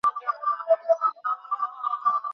হল শুধু একটা টার্গেট।